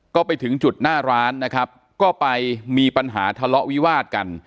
ก็ไปถึงจุดหน้าร้านนะครับก็ไปมีปัญหาทะเลาะวิวาดกัน